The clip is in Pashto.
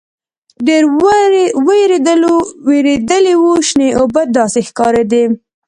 ډېر وېردلي وو شنې اوبه داسې ښکارېدې.